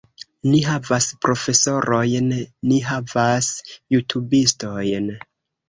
Ni havas profesorojn, ni havas jutubistojn